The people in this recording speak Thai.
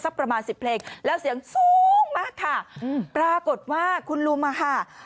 สักประมาณ๑๐เพลงแล้วเสียงซุ้งมากค่ะปรากฏว่าคุณลุงมาค่ะ